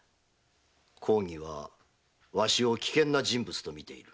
公儀はわしを危険な人物と見ている。